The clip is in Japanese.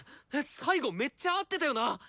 最後めっちゃ合ってたよな！